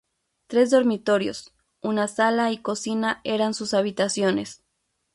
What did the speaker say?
Tres dormitorios, una sala y cocina eran sus habitaciones.